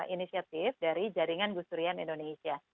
inisiatif dari jaringan gus durian indonesia